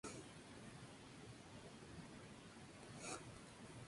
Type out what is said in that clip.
Se habría convertido así en rey de Tartessos.